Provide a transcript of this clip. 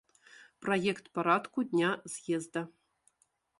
Праект парадку дня з'езда.